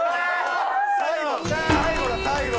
最後最後だ最後。